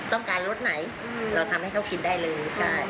ต้องการรสไหนเราทำให้เขากินได้เลยใช่